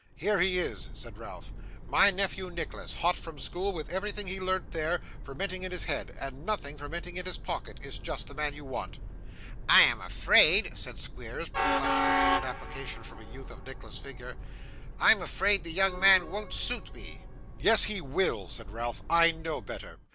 'Here he is!' said Ralph. 'My nephew Nicholas, hot from school, with everything he learnt there, fermenting in his head, and nothing fermenting in his pocket, is just the man you want.' 'I am afraid,' said Squeers, perplexed with such an application from a youth of Nicholas's figure, 'I am afraid the young man won't suit me.' 'Yes, he will,' said Ralph; 'I know better.